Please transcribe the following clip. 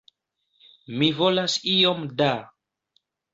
Mi volas iom da!